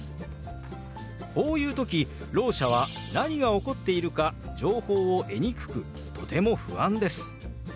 こういう時ろう者は何が起こっているか情報を得にくくとても不安です。